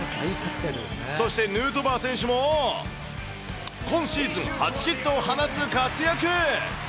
そしてヌートバー選手も、今シーズン初ヒットを放つ活躍。